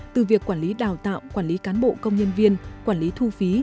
từ việc quản lý đào tạo quản lý cán bộ công nhân viên quản lý thu phí